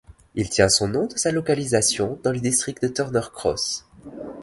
Il tient son nom de sa localisation dans le district de Turner Cross.